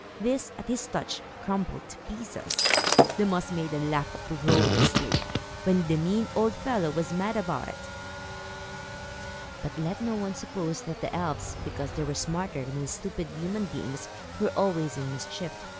These, at his touch, crumbled to pieces. The Moss Maidens laughed uproariously, when the mean old fellow was mad about it. But let no one suppose that the elves, because they were smarter than stupid human beings, were always in mischief.